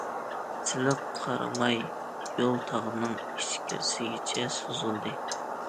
سىلىق قاراماي يول تاغنىڭ ئىچكىرىسىگىچە سوزۇلدى.